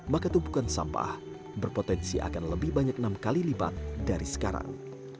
maka tumpukan sampah berpotensi akan lebih banyak enam kali lipat dari sekarang